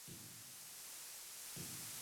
د میوو پروسس فابریکې باید ډیرې شي.